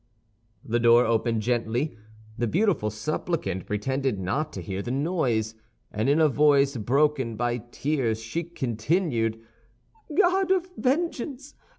The door opened gently; the beautiful supplicant pretended not to hear the noise, and in a voice broken by tears, she continued: "God of vengeance!